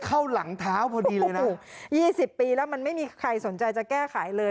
เข้าหลังเท้าพอดีเลยนะถูก๒๐ปีแล้วมันไม่มีใครสนใจจะแก้ไขเลย